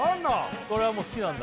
これはもう好きなんだ